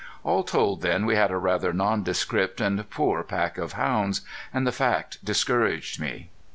All told then we had a rather nondescript and poor pack of hounds; and the fact discouraged me.